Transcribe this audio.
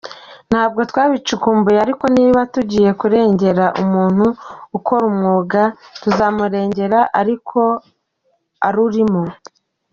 Ntabwo twabicukumbuye ariko niba tugiye kurengera umuntu ukora umwuga, tuzamurengera ari uko arurimo.